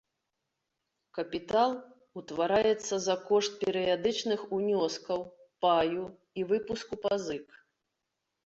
Капітал утвараецца за кошт перыядычных унёскаў, паю і выпуску пазык.